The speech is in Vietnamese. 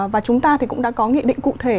và chúng ta thì cũng đã có nghị định cụ thể